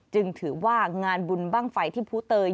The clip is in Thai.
จึงถือว่างานบุญบ้างไฟที่ภูเตย